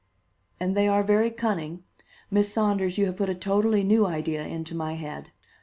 "And they are very cunning. Miss Saunders, you have put a totally new idea into my head.